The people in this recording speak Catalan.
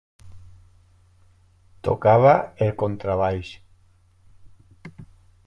Tocava el contrabaix.